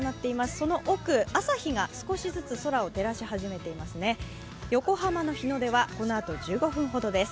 その奥、朝日が少しずつ空を照らし始めています。